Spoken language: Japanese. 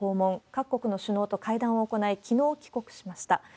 各国の首脳と会談を行い、きのう帰国しました。